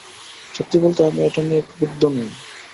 সত্যি বলতে, আমি এটা নিয়ে ক্ষুব্ধ নই।